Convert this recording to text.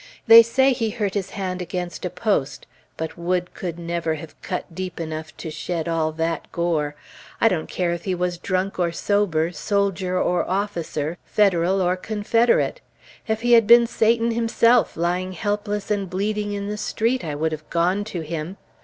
They say he hurt his hand against a post; but wood could never have cut deep enough to shed all that gore. I don't care if he was drunk or sober, soldier or officer, Federal or Confederate! If he had been Satan himself lying helpless and bleeding in the street, I would have gone to him!